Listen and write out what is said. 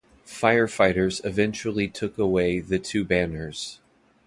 Firefighters eventually took away the two banners.